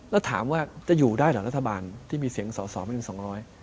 แล้วถามว่าจะอยู่ได้เหรอรัฐบาลที่มีเสียงสอบเป็น๒๐๐